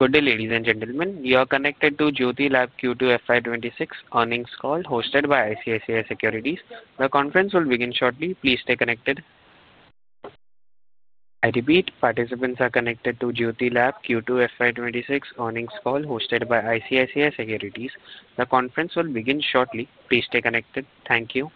Good day, ladies and gentlemen. You are connected to Jyothy Labs Q2 FY26 earnings call hosted by ICICI Securities. The conference will begin shortly. Please stay connected. I repeat, participants are connected to Jyothy Labs Q2 FY26 earnings call hosted by ICICI Securities. The conference will begin shortly. Please stay connected. Thank you.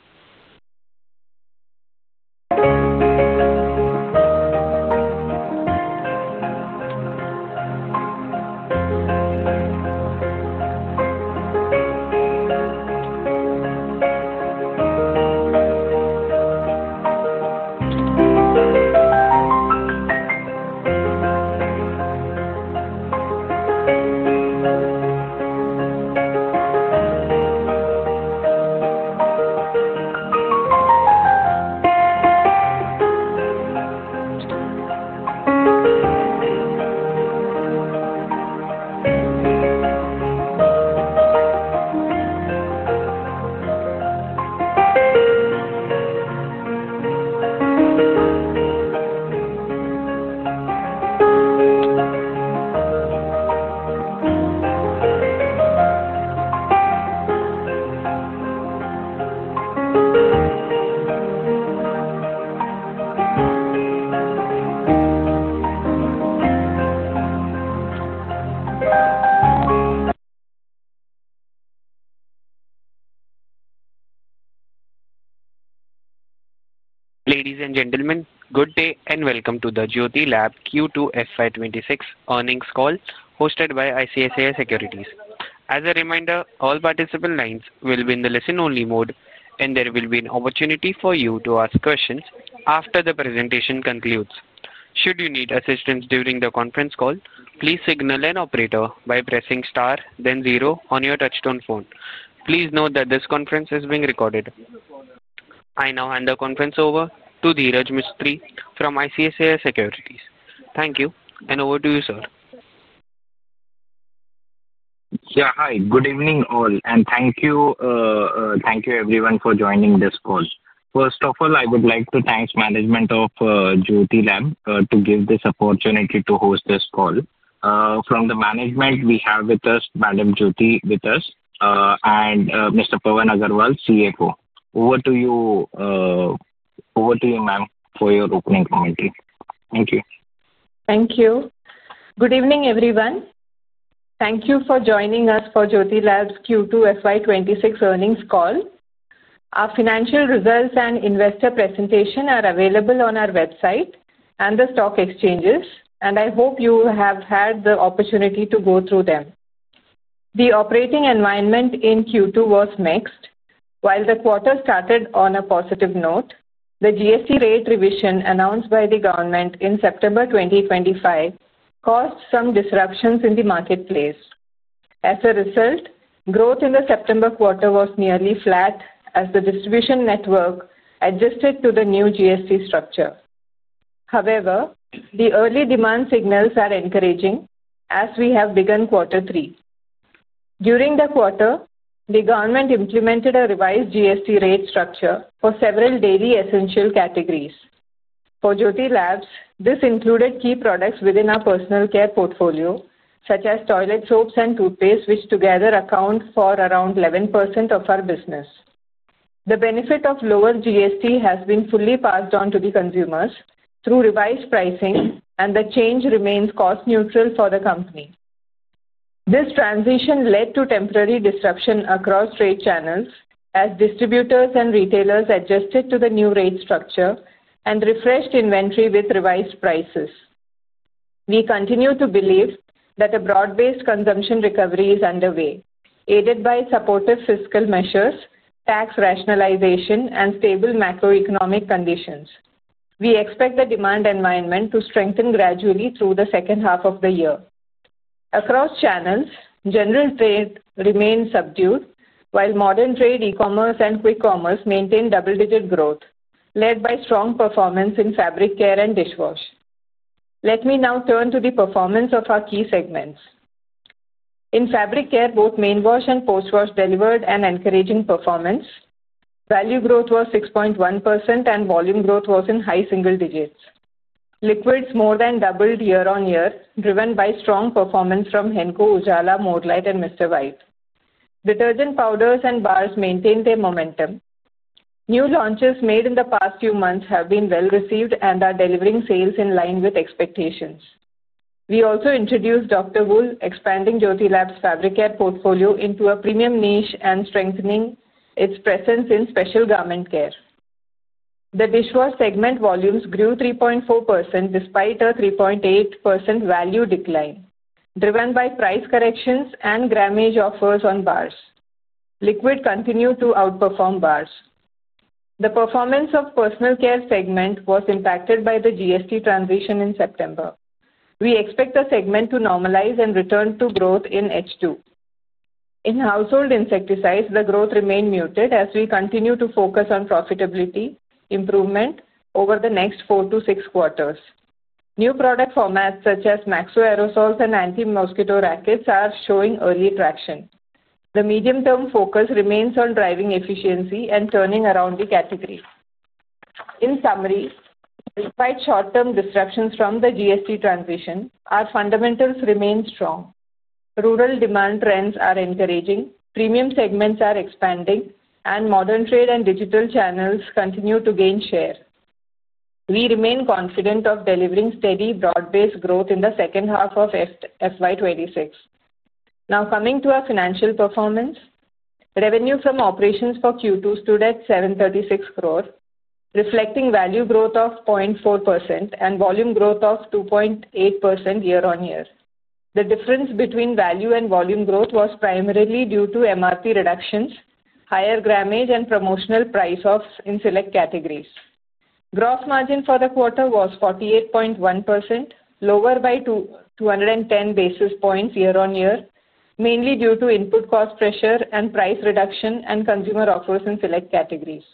Ladies and gentlemen, good day and welcome to the Jyothy Labs Q2 FY26 earnings call hosted by ICICI Securities. As a reminder, all participant lines will be in the listen-only mode, and there will be an opportunity for you to ask questions after the presentation concludes. Should you need assistance during the conference call, please signal an operator by pressing star, then zero on your touchstone phone. Please note that this conference is being recorded. I now hand the conference over to Dheeraj Mistri from ICICI Securities. Thank you, and over to you, sir. Yeah, hi. Good evening all, and thank you everyone for joining this call. First of all, I would like to thank the management of Jyothy Labs to give this opportunity to host this call. From the management, we have with us Madam Jyothy with us and Mr. Pawan Agarwal, CFO. Over to you, ma'am, for your opening commentary. Thank you. Thank you. Good evening, everyone. Thank you for joining us for Jyothy Labs Q2 FY2026 earnings call. Our financial results and investor presentation are available on our website and the stock exchanges, and I hope you have had the opportunity to go through them. The operating environment in Q2 was mixed. While the quarter started on a positive note, the GST rate revision announced by the government in September 2025 caused some disruptions in the marketplace. As a result, growth in the September quarter was nearly flat as the distribution network adjusted to the new GST structure. However, the early demand signals are encouraging as we have begun quarter three. During the quarter, the government implemented a revised GST rate structure for several daily essential categories. For Jyothy Labs, this included key products within our personal care portfolio, such as toilet soaps and toothpaste, which together account for around 11% of our business. The benefit of lower GST has been fully passed on to the consumers through revised pricing, and the change remains cost-neutral for the company. This transition led to temporary disruption across rate channels as distributors and retailers adjusted to the new rate structure and refreshed inventory with revised prices. We continue to believe that a broad-based consumption recovery is underway, aided by supportive fiscal measures, tax rationalization, and stable macroeconomic conditions. We expect the demand environment to strengthen gradually through the second half of the year. Across channels, general trade remained subdued, while modern trade, e-commerce, and quick commerce maintained double-digit growth, led by strong performance in fabric care and dishwash. Let me now turn to the performance of our key segments. In fabric care, both main wash and post-wash delivered an encouraging performance. Value growth was 6.1%, and volume growth was in high single digits. Liquids more than doubled year-on-year, driven by strong performance from Henko, Ujala, Mr. White, and Exo. Detergent powders and bars maintained their momentum. New launches made in the past few months have been well-received and are delivering sales in line with expectations. We also introduced Dr. Wool, expanding Jyothy Labs' fabric care portfolio into a premium niche and strengthening its presence in special garment care. The dishwash segment volumes grew 3.4% despite a 3.8% value decline, driven by price corrections and grammage offers on bars. Liquid continued to outperform bars. The performance of the personal care segment was impacted by the GST transition in September. We expect the segment to normalize and return to growth in H2. In household insecticides, the growth remained muted as we continue to focus on profitability improvement over the next four to six quarters. New product formats such as Maxo Aerosols and Anti-Mosquito Rackets are showing early traction. The medium-term focus remains on driving efficiency and turning around the category. In summary, despite short-term disruptions from the GST transition, our fundamentals remain strong. Rural demand trends are encouraging, premium segments are expanding, and modern trade and digital channels continue to gain share. We remain confident of delivering steady broad-based growth in the second half of FY2026. Now coming to our financial performance, revenue from operations for Q2 stood at 736 crore, reflecting value growth of 0.4% and volume growth of 2.8% year-on-year. The difference between value and volume growth was primarily due to MRP reductions, higher grammage, and promotional price-offs in select categories. Gross margin for the quarter was 48.1%, lower by 210 basis points year-on-year, mainly due to input cost pressure and price reduction and consumer offers in select categories.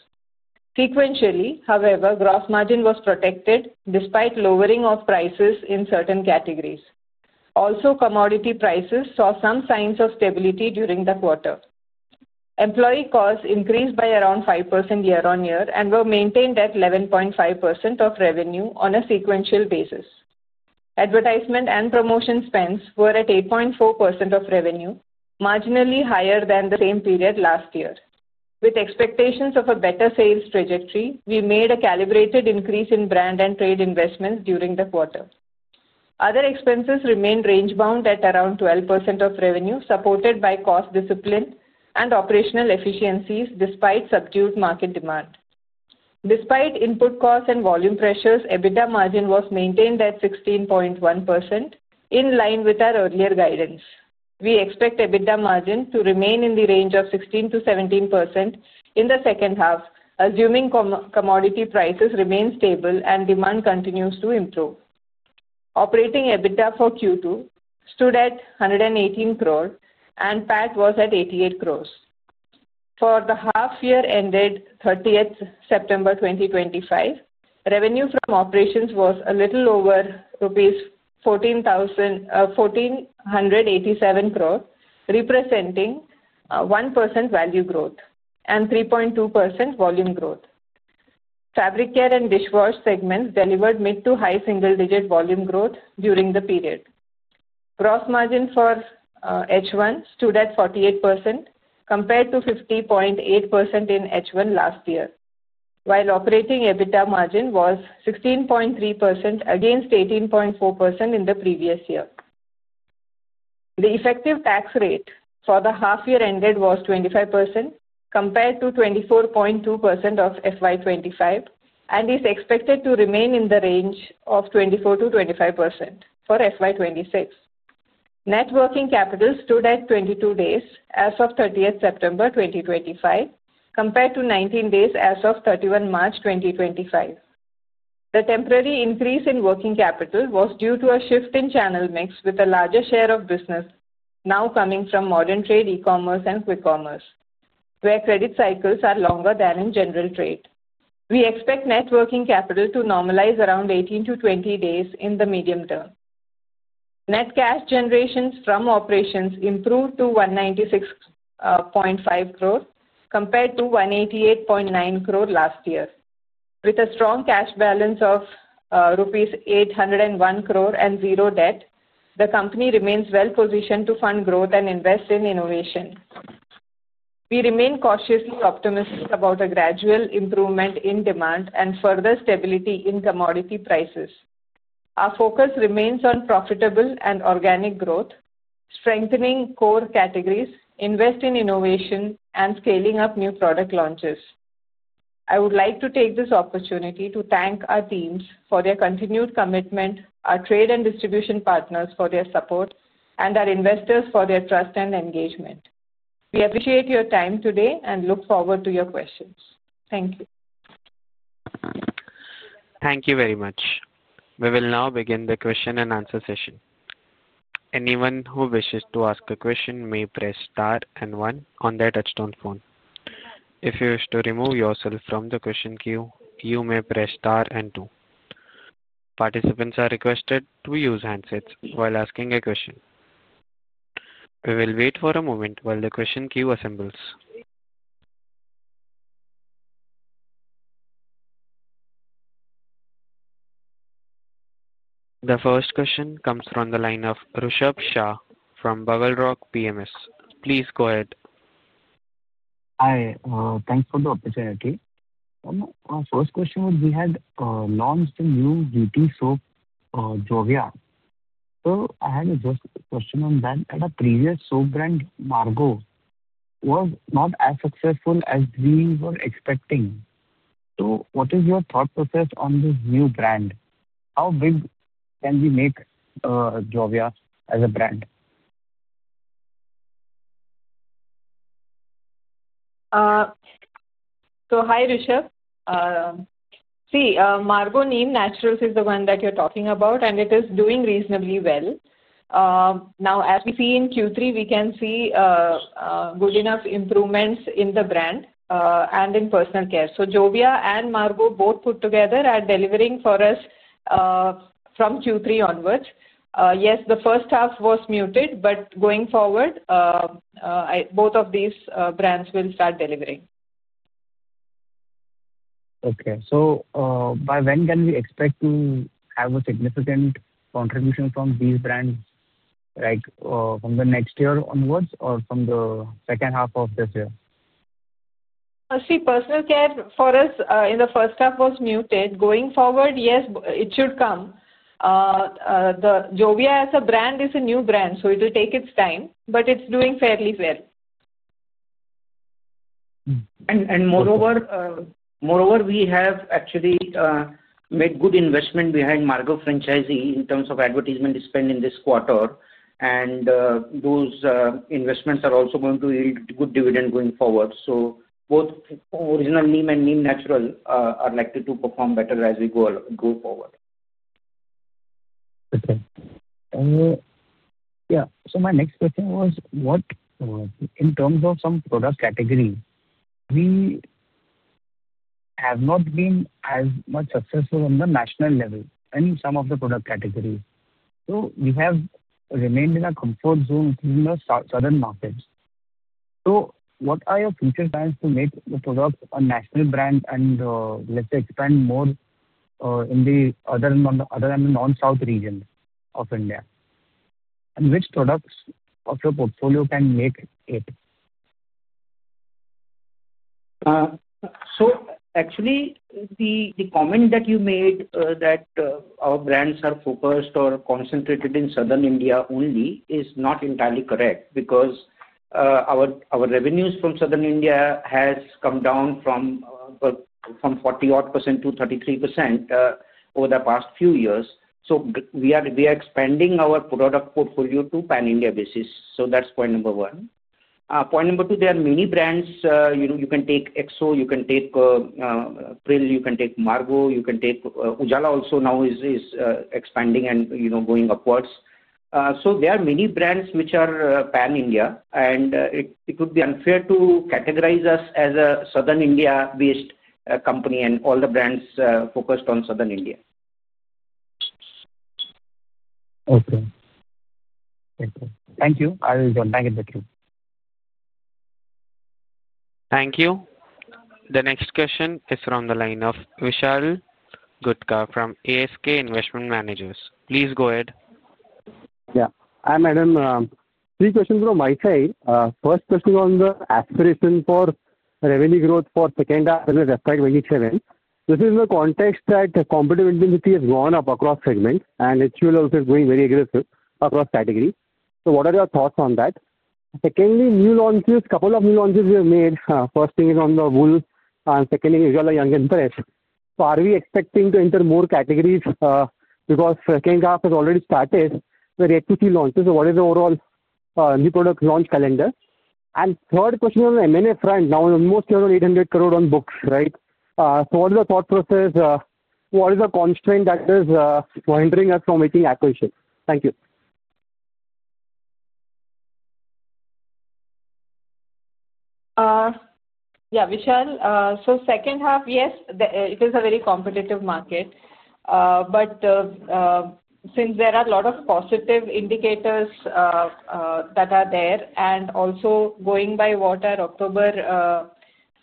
Sequentially, however, gross margin was protected despite lowering of prices in certain categories. Also, commodity prices saw some signs of stability during the quarter. Employee costs increased by around 5% year-on-year and were maintained at 11.5% of revenue on a sequential basis. Advertisement and promotion spends were at 8.4% of revenue, marginally higher than the same period last year. With expectations of a better sales trajectory, we made a calibrated increase in brand and trade investments during the quarter. Other expenses remained range-bound at around 12% of revenue, supported by cost discipline and operational efficiencies despite subdued market demand. Despite input costs and volume pressures, EBITDA margin was maintained at 16.1%, in line with our earlier guidance. We expect EBITDA margin to remain in the range of 16%-17% in the second half, assuming commodity prices remain stable and demand continues to improve. Operating EBITDA for Q2 stood at 118 crore, and PAT was at 88 crore. For the half-year ended 30 September 2025, revenue from operations was a little over rupees 1,487 crore, representing 1% value growth and 3.2% volume growth. Fabric care and dishwash segments delivered mid to high single-digit volume growth during the period. Gross margin for H1 stood at 48%, compared to 50.8% in H1 last year, while operating EBITDA margin was 16.3% against 18.4% in the previous year. The effective tax rate for the half-year ended was 25%, compared to 24.2% of FY 2025, and is expected to remain in the range of 24%-25% for FY 2026. Net working capital stood at 22 days as of 30 September 2025, compared to 19 days as of 31 March 2025. The temporary increase in working capital was due to a shift in channel mix with a larger share of business now coming from modern trade, e-commerce, and quick commerce, where credit cycles are longer than in general trade. We expect net working capital to normalize around 18-20 days in the medium term. Net cash generation from operations improved to 196.5 crore, compared to 188.9 crore last year. With a strong cash balance of rupees 801 crore and zero debt, the company remains well-positioned to fund growth and invest in innovation. We remain cautiously optimistic about a gradual improvement in demand and further stability in commodity prices. Our focus remains on profitable and organic growth, strengthening core categories, investing in innovation, and scaling up new product launches. I would like to take this opportunity to thank our teams for their continued commitment, our trade and distribution partners for their support, and our investors for their trust and engagement. We appreciate your time today and look forward to your questions. Thank you. Thank you very much. We will now begin the question and answer session. Anyone who wishes to ask a question may press star and one on their touchstone phone. If you wish to remove yourself from the question queue, you may press star and two. Participants are requested to use handsets while asking a question. We will wait for a moment while the question queue assembles. The first question comes from the line of Rishab Shah from Bugle Rock PMS. Please go ahead. Hi, thanks for the opportunity. First question was we had launched a new bleeding soap, Jovia. I had a just question on that. The previous soap brand, Margo, was not as successful as we were expecting. What is your thought process on this new brand? How can we make Jovia as a brand? Hi, Rishab. See, Margo Neem Naturals is the one that you're talking about, and it is doing reasonably well. Now, as we see in Q3, we can see good enough improvements in the brand and in personal care. Jovia and Margo both put together are delivering for us from Q3 onwards. Yes, the first half was muted, but going forward, both of these brands will start delivering. Okay, so by when can we expect to have a significant contribution from these brands, like from the next year onwards or from the second half of this year? See, personal care for us in the first half was muted. Going forward, yes, it should come. Jovia as a brand is a new brand, so it will take its time, but it's doing fairly well. Moreover, we have actually made good investment behind the Margo franchise in terms of advertisement spend in this quarter, and those investments are also going to yield good dividend going forward. Both original Margo and Margo Natural are likely to perform better as we go forward. Yeah, my next question was what, in terms of some product category, we have not been as much successful on the national level in some of the product categories. We have remained in a comfort zone in the southern markets. What are your future plans to make the product a national brand and expand more in the other than the non-south region of India? Which products of your portfolio can make it? Actually, the comment that you made that our brands are focused or concentrated in southern India only is not entirely correct because our revenues from southern India have come down from 48%-33% over the past few years. We are expanding our product portfolio to a pan-India basis. That's point number one. Point number two, there are many brands. You can take Exo, you can take Pril, you can take Margo, you can take Ujala also now is expanding and going upwards. There are many brands which are pan-India, and it would be unfair to categorize us as a southern India-based company and all the brands focused on southern India. Okay. Thank you. Thank you. I will contact you. Thank you. The next question is from the line of Vishal Gutka from ASK Investment Managers. Please go ahead. Yeah, I'm Adam. Three questions from my side. First question on the aspiration for revenue growth for second half in 2027. This is the context that competitiveness has gone up across segments, and HUL also is going very aggressive across categories. What are your thoughts on that? Secondly, new launches, a couple of new launches we have made. First thing is on the wool, and secondly, Ujala Young & Fresh. Are we expecting to enter more categories? Because second half has already started with H2C launches. What is the overall new product launch calendar? Third question on the M&A front, now almost 800 crore on books, right? What are your thoughts? What is the constraint that is hindering us from making acquisitions? Thank you. Yeah, Vishal, second half, yes, it is a very competitive market. But since there are a lot of positive indicators that are there, and also going by what our October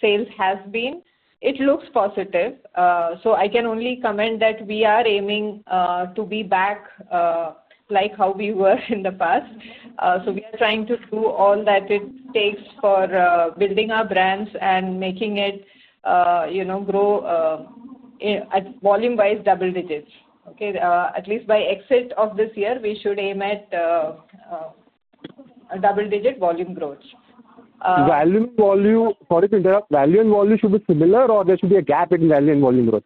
sales have been, it looks positive. I can only comment that we are aiming to be back like how we were in the past. We are trying to do all that it takes for building our brands and making it grow volume-wise double digits. Okay, at least by exit of this year, we should aim at double-digit volume growth. Value and volume should be similar, or there should be a gap in value and volume growth?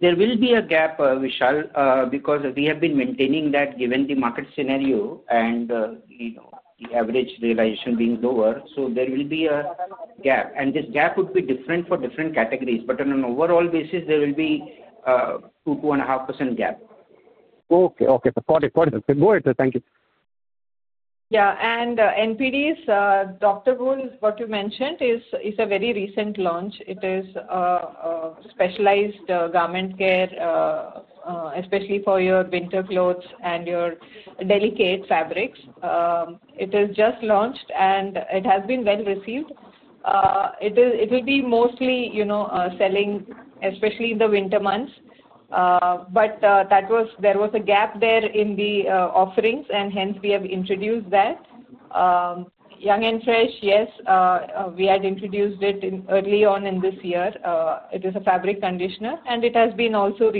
There will be a gap, Vishal, because we have been maintaining that given the market scenario and the average realization being lower. There will be a gap, and this gap would be different for different categories. On an overall basis, there will be a 2.5% gap. Okay. Got it. Thank you. Yeah, and NPDs, Dr. Wool, what you mentioned is a very recent launch. It is a specialized garment care, especially for your winter clothes and your delicate fabrics. It is just launched, and it has been well received. It will be mostly selling, especially in the winter months. There was a gap there in the offerings, and hence we have introduced that. Young & Fresh, yes, we had introduced it early on in this year. It is a fabric conditioner, and it has also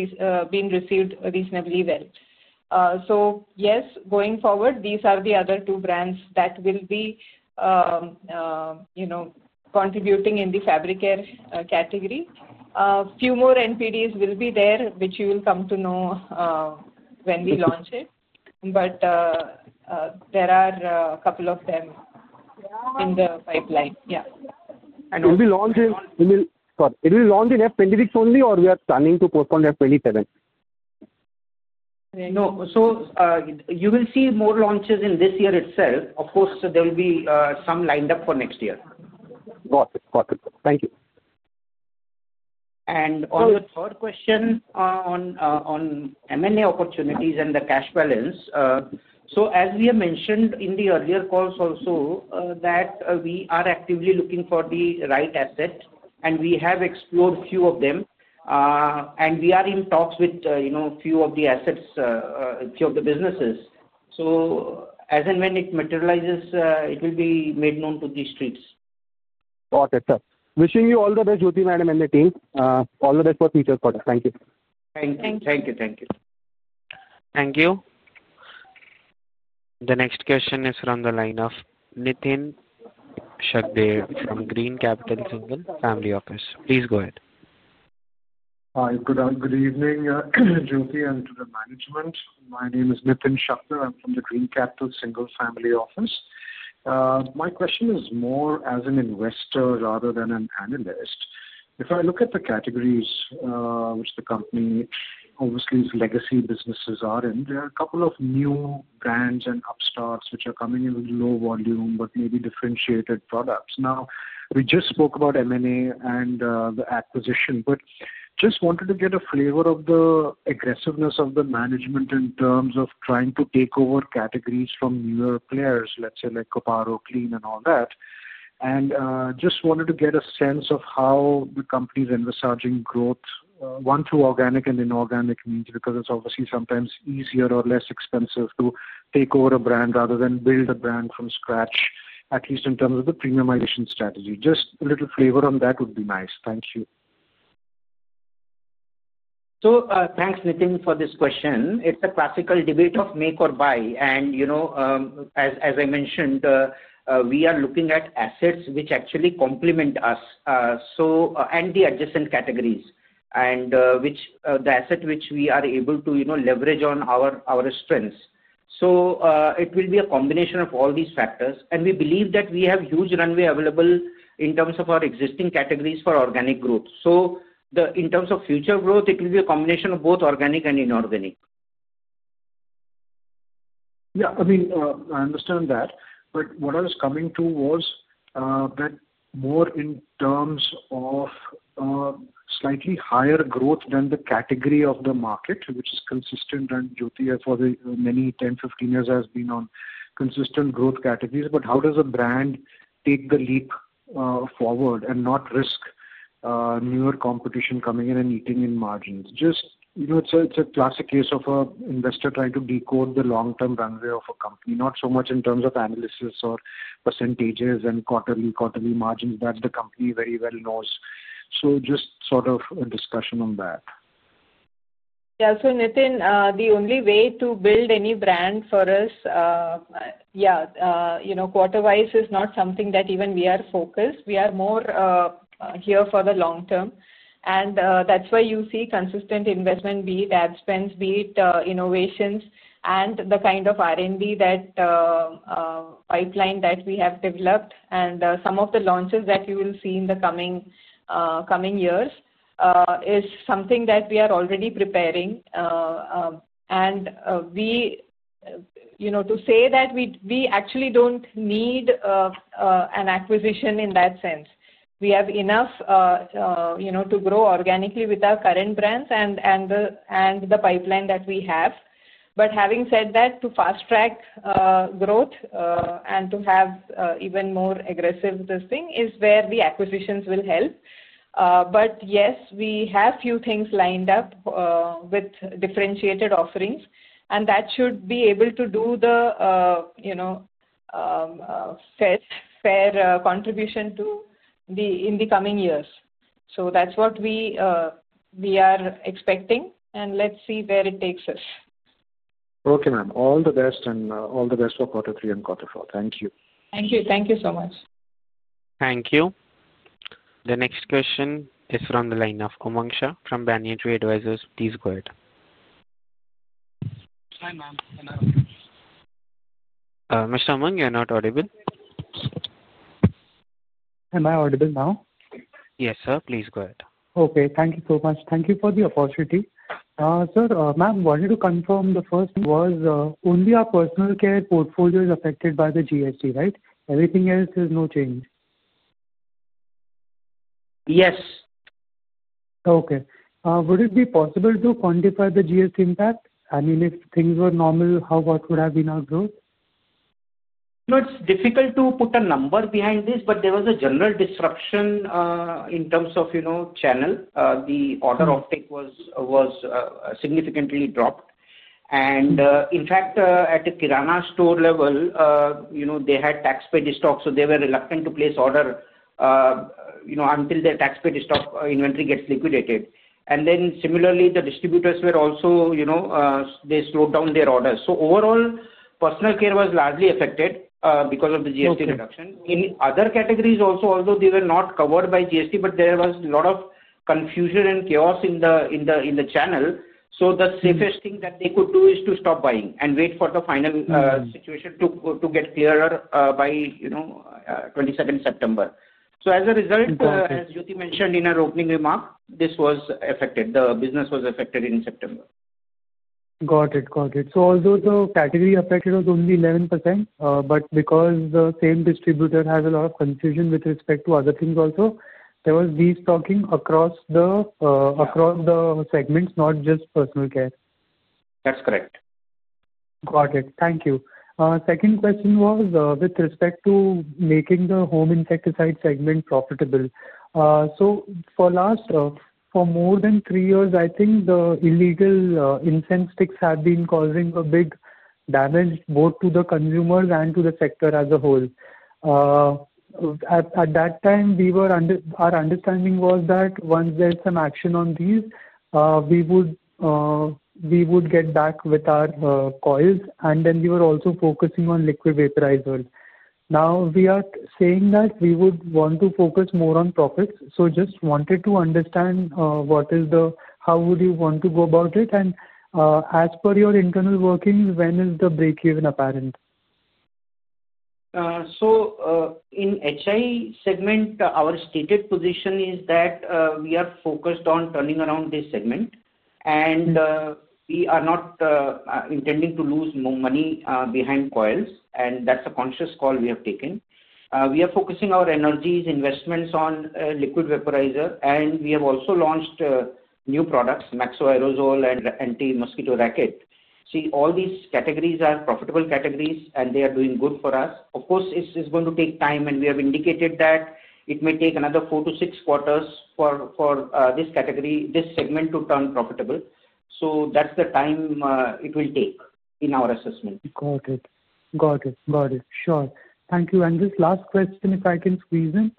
been received reasonably well. Yes, going forward, these are the other two brands that will be contributing in the fabric care category. A few more NPDs will be there, which you will come to know when we launch it. There are a couple of them in the pipeline. Yeah. Will we launch in 2026 only, or are we planning to postpone to 2027? No, so you will see more launches in this year itself. Of course, there will be some lined up for next year. Got it. Got it. Thank you. On the third question on M&A opportunities and the cash balance, as we have mentioned in the earlier calls also, we are actively looking for the right asset, and we have explored a few of them, and we are in talks with a few of the assets, a few of the businesses. As and when it materializes, it will be made known to the streets. Got it. Wishing you all the best, Jyothy Madam and the team. All the best for future products. Thank you. Thank you. Thank you. Thank you. The next question is from the line of Nitin Shakhdher from Green Capital Single Family Office. Please go ahead. Good evening, Jyothy and to the management. My name is Nitin Shakhdher. I'm from the Green Capital Single Family Office. My question is more as an investor rather than an analyst. If I look at the categories which the company, obviously its legacy businesses are in, there are a couple of new brands and upstarts which are coming in with low volume, but maybe differentiated products. Now, we just spoke about M&A and the acquisition, but just wanted to get a flavor of the aggressiveness of the management in terms of trying to take over categories from newer players, let's say like Copar, Oclean, and all that. I just wanted to get a sense of how the company's adversarial growth, one through organic and inorganic means, because it's obviously sometimes easier or less expensive to take over a brand rather than build a brand from scratch, at least in terms of the premiumization strategy. Just a little flavor on that would be nice. Thank you. Thank you, Nitin, for this question. It's a classical debate of make or buy. As I mentioned, we are looking at assets which actually complement us and the adjacent categories, and the asset which we are able to leverage on our strengths. It will be a combination of all these factors. We believe that we have huge runway available in terms of our existing categories for organic growth. In terms of future growth, it will be a combination of both organic and inorganic. Yeah, I mean, I understand that. What I was coming to was that more in terms of slightly higher growth than the category or the market, which is consistent, and Jyothy for the many 10, 15 years has been on consistent growth categories. How does a brand take the leap forward and not risk newer competition coming in and eating in margins? It is a classic case of an investor trying to decode the long-term runway of a company, not so much in terms of analysis or percentages and quarterly, quarterly margins. That the company very well knows. Just sort of a discussion on that. Yeah, so Nitin, the only way to build any brand for us, yeah, quarter-wise is not something that even we are focused on. We are more here for the long term. That is why you see consistent investment, be it ad spends, be it innovations, and the kind of R&D pipeline that we have developed. Some of the launches that you will see in the coming years is something that we are already preparing. To say that we actually do not need an acquisition in that sense. We have enough to grow organically with our current brands and the pipeline that we have. Having said that, to fast track growth and to have even more aggressive this thing is where the acquisitions will help. Yes, we have a few things lined up with differentiated offerings, and that should be able to do the fair contribution in the coming years. That is what we are expecting, and let's see where it takes us. Okay, ma'am. All the best and all the best for quarter three and quarter four. Thank you. Thank you. Thank you so much. Thank you. The next question is from the line of Umang Shah from Banyan Tree Advisors. Please go ahead. Hi, ma'am. Mr. Umang, you are not audible. Am I audible now? Yes, sir. Please go ahead. Okay. Thank you so much. Thank you for the opportunity. Sir, ma'am, wanted to confirm the first was only our personal care portfolio is affected by the GST, right? Everything else is no change. Yes. Okay. Would it be possible to quantify the GST impact? I mean, if things were normal, how what would have been our growth? It's difficult to put a number behind this, but there was a general disruption in terms of channel. The order optic was significantly dropped. In fact, at the Kirana store level, they had taxpayer stocks, so they were reluctant to place order until their taxpayer stock inventory gets liquidated. Similarly, the distributors were also, they slowed down their orders. Overall, personal care was largely affected because of the GST reduction. In other categories also, although they were not covered by GST, there was a lot of confusion and chaos in the channel. The safest thing that they could do is to stop buying and wait for the final situation to get clearer by 22nd September. As a result, as Jyothy mentioned in her opening remark, this was affected. The business was affected in September. Got it. Got it. Although the category affected was only 11%, because the same distributor has a lot of confusion with respect to other things also, there was this talking across the segments, not just personal care. That's correct. Got it. Thank you. Second question was with respect to making the home insecticide segment profitable. For more than three years, I think the illegal incense sticks have been causing a big damage both to the consumers and to the sector as a whole. At that time, our understanding was that once there is some action on these, we would get back with our coils, and then we were also focusing on liquid vaporizers. Now, we are saying that we would want to focus more on profits. I just wanted to understand how would you want to go about it? And as per your internal working, when is the breakeven apparent? In HI segment, our stated position is that we are focused on turning around this segment, and we are not intending to lose money behind coils. That is a conscious call we have taken. We are focusing our energies, investments on liquid vaporizer, and we have also launched new products, Maxo Aerosol and Anti-Mosquito Racket. All these categories are profitable categories, and they are doing good for us. Of course, this is going to take time, and we have indicated that it may take another four to six quarters for this category, this segment to turn profitable. That is the time it will take in our assessment. Got it. Sure. Thank you. Just last question, if I can squeeze in.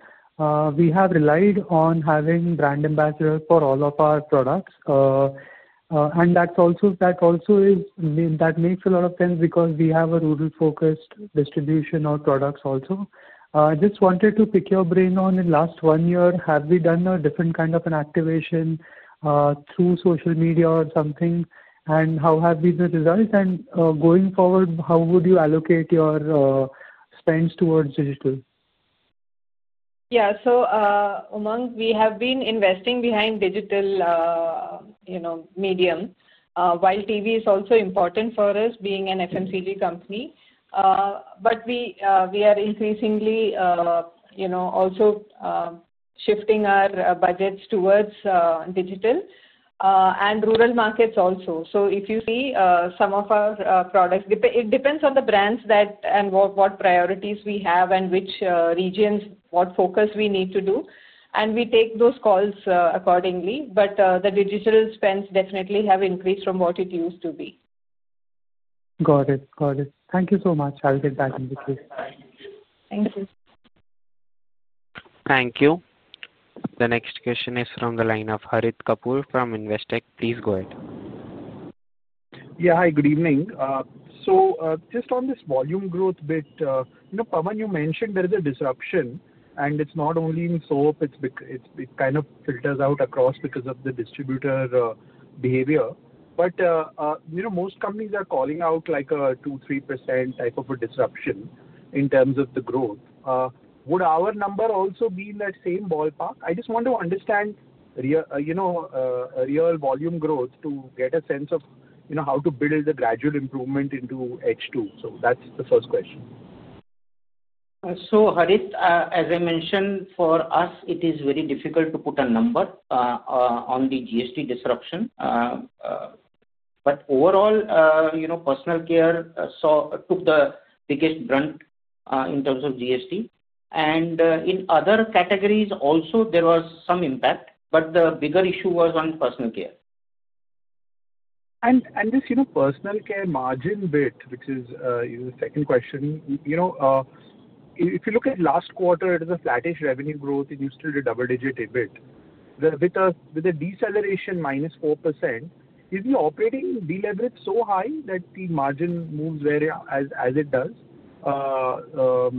We have relied on having brand ambassadors for all of our products. That also makes a lot of sense because we have a rural-focused distribution of products also. I just wanted to pick your brain on in the last one year, have we done a different kind of an activation through social media or something, and how have been the results? Going forward, how would you allocate your spends towards digital? Yeah. We have been investing behind digital medium while TV is also important for us being an FMCG company. We are increasingly also shifting our budgets towards digital and rural markets also. If you see some of our products, it depends on the brands and what priorities we have and which regions, what focus we need to do. We take those calls accordingly. The digital spends definitely have increased from what it used to be. Got it. Got it. Thank you so much. I'll get back in between. Thank you. Thank you. The next question is from the line of Harith Kapoor from Investech. Please go ahead. Yeah. Hi, good evening. Just on this volume growth bit, Pawan, you mentioned there is a disruption, and it's not only in soap, it kind of filters out across because of the distributor behavior. Most companies are calling out like a 2%-3% type of a disruption in terms of the growth. Would our number also be in that same ballpark? I just want to understand real volume growth to get a sense of how to build the gradual improvement into H2. That's the first question. As I mentioned, for us, it is very difficult to put a number on the GST disruption. Overall, personal care took the biggest brunt in terms of GST. In other categories also, there was some impact, but the bigger issue was on personal care. This personal care margin bit, which is the second question, if you look at last quarter, it was a flattish revenue growth. It used to be double-digit a bit. With a deceleration minus 4%, is the operating deleverage so high that the margin moves as it does? Should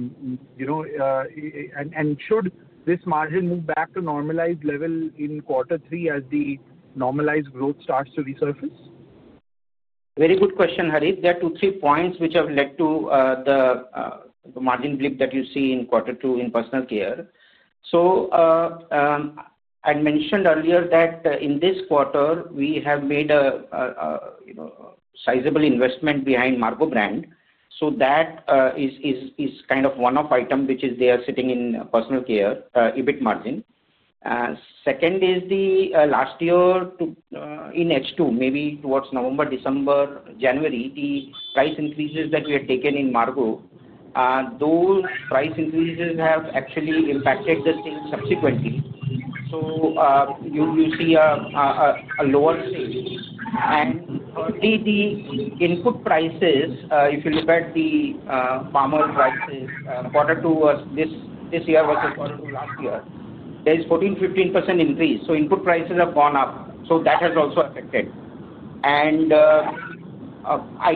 this margin move back to normalized level in quarter three as the normalized growth starts to resurface? Very good question, Harith. There are two, three points which have led to the margin bleep that you see in quarter two in personal care. I mentioned earlier that in this quarter, we have made a sizable investment behind Margo brand. That is kind of one of the items which are sitting in personal care, EBITDA margin. Second is last year in H2, maybe towards November, December, January, the price increases that we had taken in Margo, those price increases have actually impacted the sales subsequently. You will see a lower sale. For the input prices, if you look at the palm oil prices, quarter two this year versus quarter two last year, there is 14-15% increase. Input prices have gone up. That has also affected. I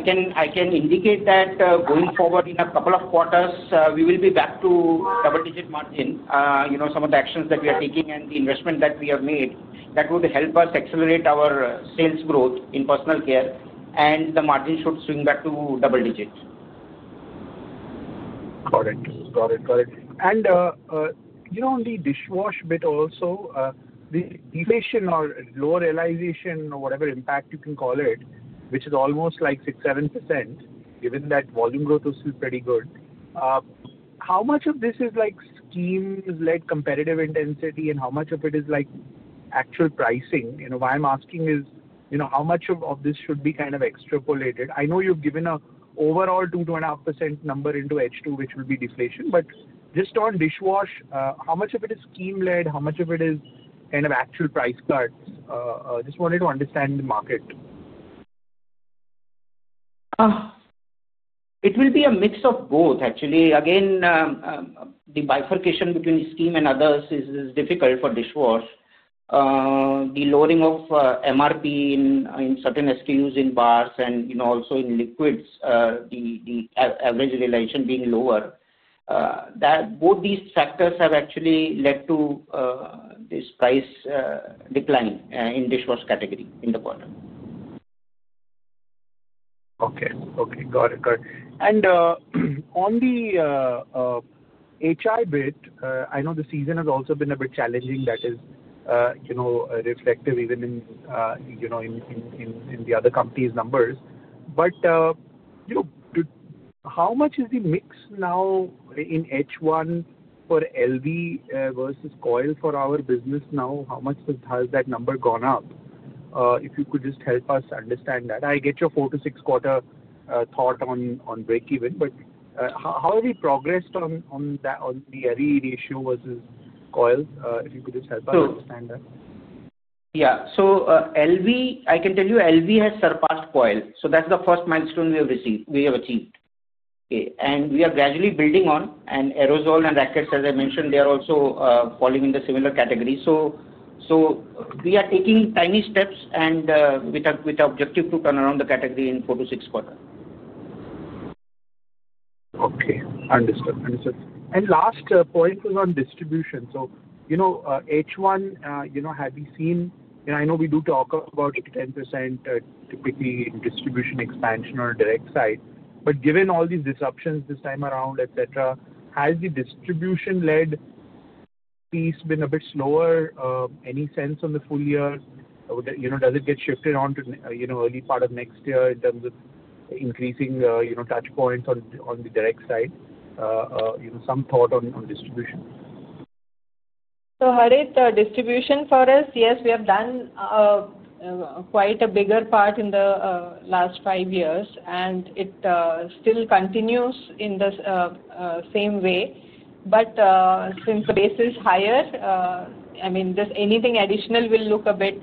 can indicate that going forward in a couple of quarters, we will be back to double-digit margin. Some of the actions that we are taking and the investment that we have made, that would help us accelerate our sales growth in personal care, and the margin should swing back to double digit. Got it. Got it. And on the dishwash bit also, the deflation or lower realization, whatever impact you can call it, which is almost like 6%-7%, given that volume growth is still pretty good. How much of this is like scheme-led competitive intensity, and how much of it is like actual pricing? Why I'm asking is how much of this should be kind of extrapolated? I know you've given an overall 2%-2.5% number into H2, which will be deflation, but just on dishwash, how much of it is scheme-led? How much of it is kind of actual price cuts? Just wanted to understand the market. It will be a mix of both, actually. Again, the bifurcation between scheme and others is difficult for dishwash. The lowering of MRP in certain SKUs in bars and also in liquids, the average realization being lower. Both these factors have actually led to this price decline in dishwash category in the quarter. Okay. Okay. Got it. Got it. On the HI bit, I know the season has also been a bit challenging. That is reflective even in the other company's numbers. How much is the mix now in H1 for LV versus coil for our business now? How much has that number gone up? If you could just help us understand that. I get your four- to six-quarter thought on breakeven, but how have you progressed on the LV ratio versus coil? If you could just help us understand that. Yeah. I can tell you LV has surpassed coil. That is the first milestone we have achieved. We are gradually building on. Aerosol and Rackets, as I mentioned, are also falling in the similar category. We are taking tiny steps with the objective to turn around the category in four to six quarters. Okay. Understood. Understood. Last point was on distribution. H1, have we seen, I know we do talk about 10% typically in distribution expansion or direct side. Given all these disruptions this time around, etc., has the distribution-led piece been a bit slower? Any sense on the full year? Does it get shifted on to early part of next year in terms of increasing touch points on the direct side? Some thought on distribution. Harith, distribution for us, yes, we have done quite a bigger part in the last five years, and it still continues in the same way. Since the base is higher, I mean, anything additional will look a bit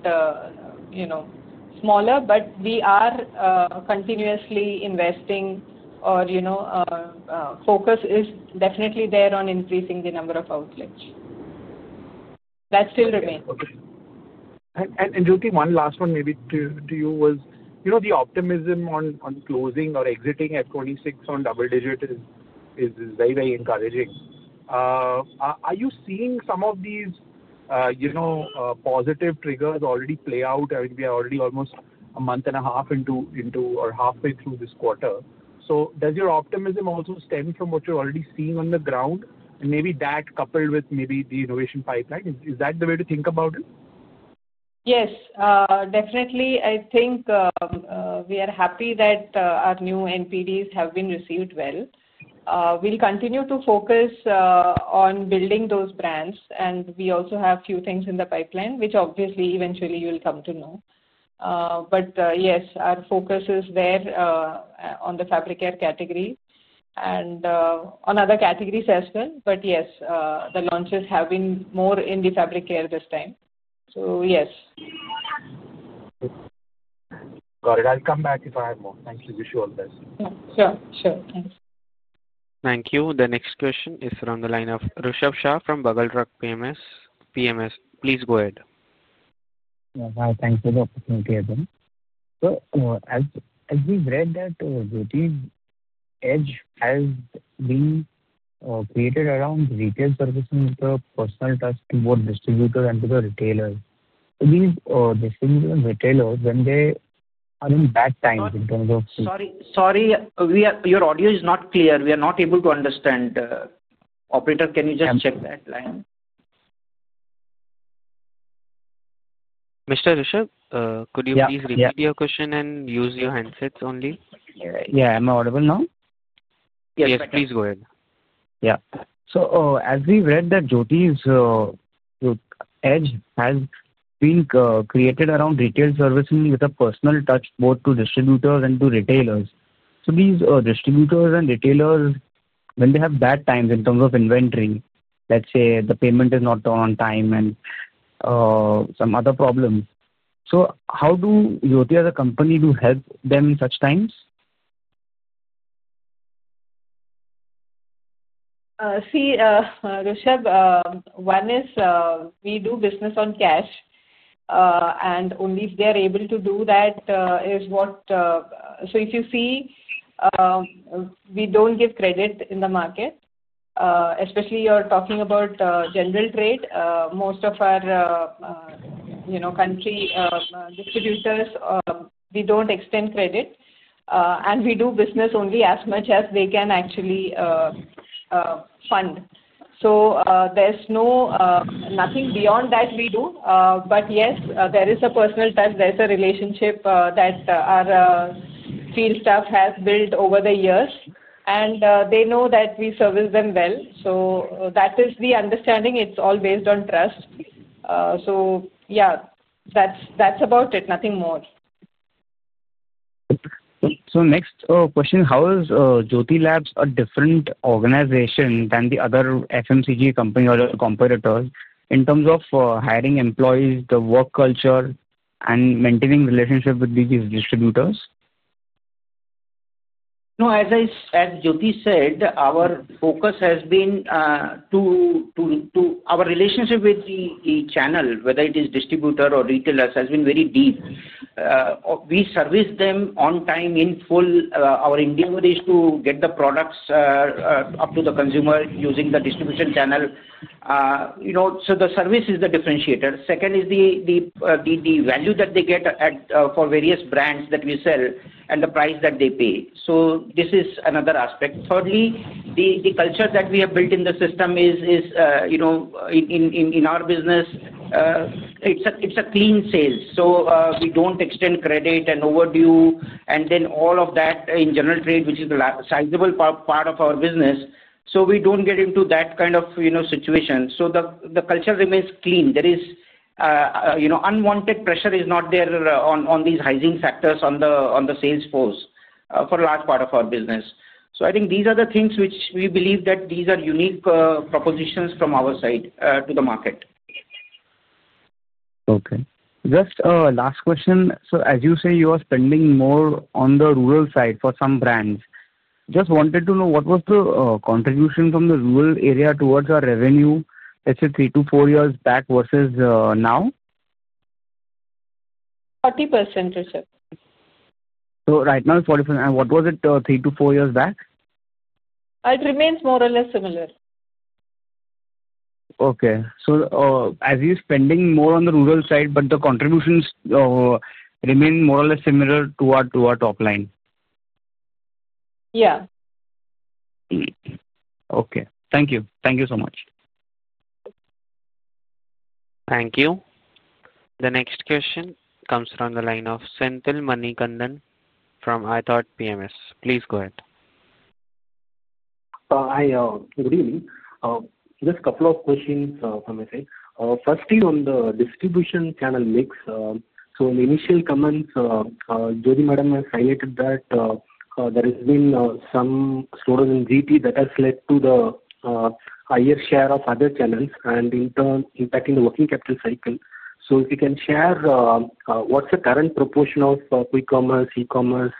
smaller, but we are continuously investing or focus is definitely there on increasing the number of outlets. That is still the main focus. Jyothy, one last one maybe to you was the optimism on closing or exiting at 26 on double-digit is very, very encouraging. Are you seeing some of these positive triggers already play out? We are already almost a month and a half into or halfway through this quarter. Does your optimism also stem from what you are already seeing on the ground? Maybe that coupled with maybe the innovation pipeline, is that the way to think about it? Yes. Definitely. I think we are happy that our new NPDs have been received well. We'll continue to focus on building those brands, and we also have a few things in the pipeline, which obviously eventually you'll come to know. Yes, our focus is there on the fabric care category and on other categories as well. Yes, the launches have been more in the fabric care this time. Yes. Got it. I'll come back if I have more. Thanks for your show on this. Sure. Sure. Thanks. Thank you. The next question is from the line of Rishab Shah from Bugle Rock PMS. PMS, please go ahead. Thank you for the opportunity. As we've read that Jyothy, edge has been created around retail servicing, the personal touch to both distributors and to the retailers. These distributors and retailers, when they are in bad times in terms of. Sorry. Sorry. Your audio is not clear. We are not able to understand. Operator, can you just check that line? Mr. Rishab, could you please repeat your question and use your handsets only? You're right. Yeah. Am I audible now? Yes. Yes. Please go ahead. Yeah. As we've read that Jyothy's edge has been created around retail servicing with a personal touch both to distributors and to retailers. These distributors and retailers, when they have bad times in terms of inventory, let's say the payment is not done on time and some other problem, how do Jyothy as a company help them in such times? See, Rishab, one is we do business on cash. Only if they are able to do that is what, so if you see, we do not give credit in the market, especially you are talking about general trade. Most of our country distributors, we do not extend credit. We do business only as much as they can actually fund. There is nothing beyond that we do. Yes, there is a personal touch. There is a relationship that our field staff has built over the years. They know that we service them well. That is the understanding. It is all based on trust. That is about it. Nothing more. Next question, how is Jyothy Labs a different organization than the other FMCG company or competitors in terms of hiring employees, the work culture, and maintaining relationship with these distributors? No. As Jyothy said, our focus has been to our relationship with the channel, whether it is distributor or retailers, has been very deep. We service them on time in full. Our endeavor is to get the products up to the consumer using the distribution channel. The service is the differentiator. Second is the value that they get for various brands that we sell and the price that they pay. This is another aspect. Thirdly, the culture that we have built in the system is in our business, it's a clean sale. We do not extend credit and overdue, and then all of that in general trade, which is the sizable part of our business. We do not get into that kind of situation. The culture remains clean. There is unwanted pressure is not there on these hygiene factors on the sales post for a large part of our business. I think these are the things which we believe that these are unique propositions from our side to the market. Okay. Just last question. As you say, you are spending more on the rural side for some brands. Just wanted to know what was the contribution from the rural area towards our revenue three to four years back versus now? 40%, Rishabh. Right now, 40%. And what was it three to four years back? It remains more or less similar. Okay. So as you're spending more on the rural side, but the contributions remain more or less similar to our top line? Yeah. Okay. Thank you. Thank you so much. Thank you. The next question comes from the line of Senthil Manikandan from ITHART PMS. Please go ahead. Hi. Good evening. Just a couple of questions, if I may say. Firstly, on the distribution channel mix, so on the initial comments, Jyothy Madam has highlighted that there has been some slowdown in VT that has led to the higher share of other channels and in turn impacting the working capital cycle. If you can share what's the current proportion of e-commerce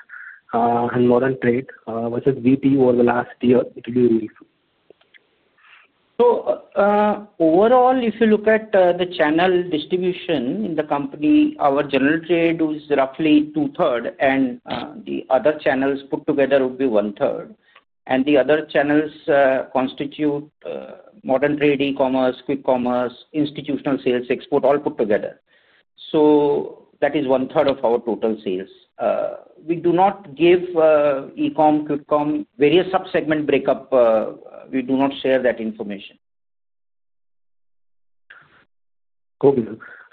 and modern trade versus VT over the last year? Overall, if you look at the channel distribution in the company, our general trade is roughly two-thirds, and the other channels put together would be one-third. The other channels constitute modern trade, e-commerce, quick commerce, institutional sales, export, all put together. That is one-third of our total sales. We do not give e-com, quick com, various subsegment breakup. We do not share that information. Okay.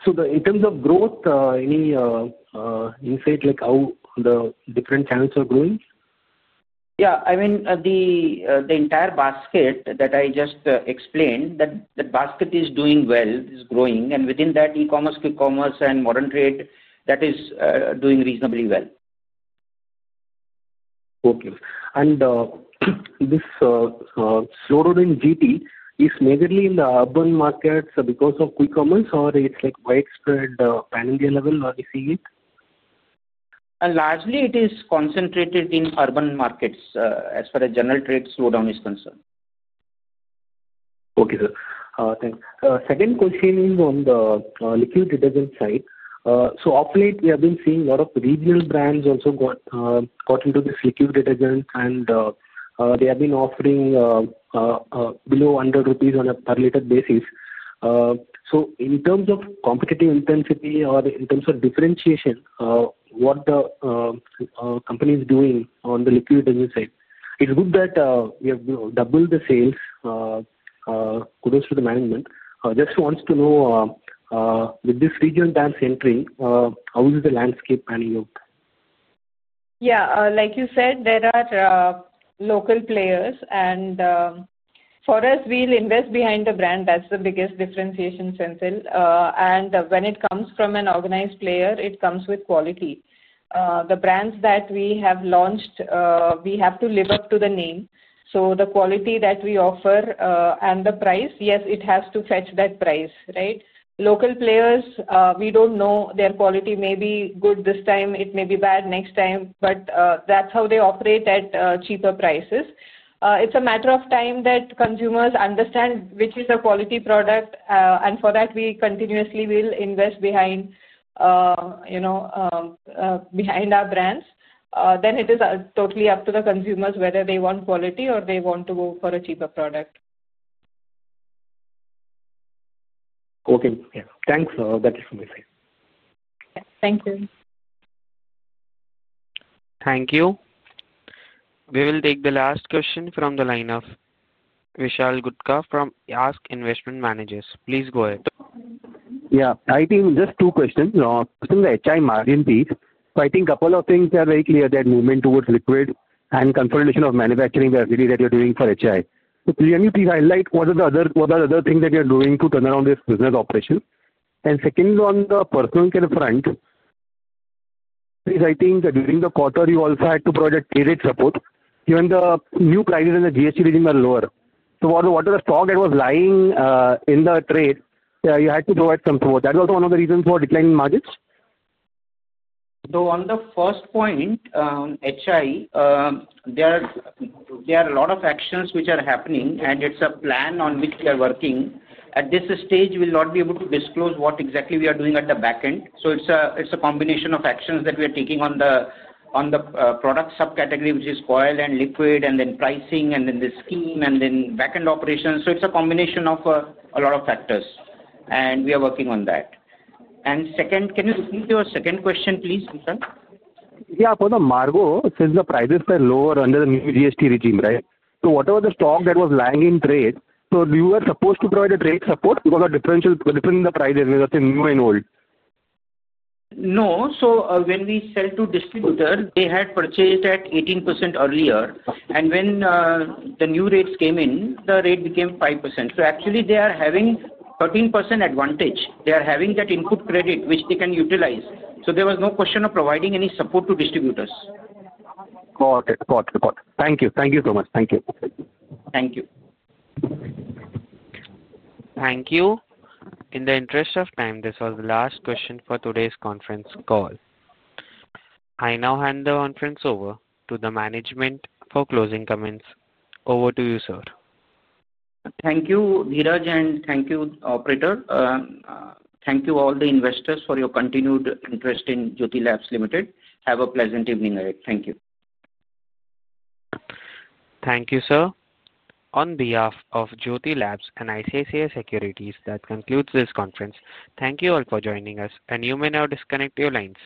So in terms of growth, any insight like how the different channels are growing? Yeah. I mean, the entire basket that I just explained, that basket is doing well, is growing. Within that, e-commerce, quick commerce, and modern trade, that is doing reasonably well. Okay. This slowdown in VT, it's majorly in the urban markets because of quick commerce, or it's like widespread panel level or VT? Largely, it is concentrated in urban markets as far as general trade slowdown is concerned. Okay, sir. Thanks. Second question is on the liquid detergent side. Up late, we have been seeing a lot of regional brands also got into this liquid detergent, and they have been offering below 100 rupees on a per-liter basis. In terms of competitive intensity or in terms of differentiation, what the company is doing on the liquid detergent side, it's good that you have doubled the sales. Kudos to the management. Just want to know, with these regional brands entering, how is the landscape panel look? Yeah. Like you said, there are local players. For us, we'll invest behind the brand. That's the biggest differentiation, Senthil. When it comes from an organized player, it comes with quality. The brands that we have launched, we have to live up to the name. The quality that we offer and the price, yes, it has to fetch that price, right? Local players, we do not know, their quality may be good this time. It may be bad next time. That is how they operate at cheaper prices. It is a matter of time that consumers understand which is a quality product. For that, we continuously will invest behind our brands. It is totally up to the consumers whether they want quality or they want to go for a cheaper product. Okay. Thanks. That's all from me. Thank you. Thank you. We will take the last question from the line of Vishal Gutka from ASK Investment Managers. Please go ahead. Yeah. I think just two questions. I think the HI margin piece. I think a couple of things are very clear that movement towards liquid and consolidation of manufacturing facility that you're doing for HI. Can you please highlight what are the other things that you're doing to turn around this business operation? Second, on the personal care front, I think that during the quarter, you also had to project trade support. Even the new prices in the GHC region are lower. What was the stock that was lying in the trade? You had to provide some support. That was one of the reasons for declining margins? On the first point, HI, there are a lot of actions which are happening, and it is a plan on which we are working. At this stage, we will not be able to disclose what exactly we are doing at the back end. It is a combination of actions that we are taking on the product subcategory, which is oil and liquid, and then pricing, and then the scheme, and then back-end operations. It is a combination of a lot of factors, and we are working on that. Second, can you repeat your second question, please, Rishab? Yeah. For the Margo, since the prices were lower under the new GST regime, right? So whatever the stock that was lying in trade, you were supposed to provide a trade support because of differential between the prices with the new and old? No. When we sell to distributors, they had purchased at 18% earlier. When the new rates came in, the rate became 5%. Actually, they are having 13% advantage. They are having that input credit, which they can utilize. There was no question of providing any support to distributors. Got it. Thank you. Thank you so much. Thank you. Thank you. Thank you. In the interest of time, this was the last question for today's conference call. I now hand the conference over to the management for closing comments. Over to you, sir. Thank you, Dheeraj, and thank you, Operator. Thank you, all the investors, for your continued interest in Jyothy Labs Limited. Have a pleasant evening, Eric. Thank you. Thank you, sir. On behalf of Jyothy Labs and ICICI Securities, that concludes this conference. Thank you all for joining us, and you may now disconnect your lines.